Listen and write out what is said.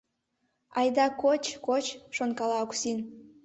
«Айда коч, коч, — шонкала Оксин.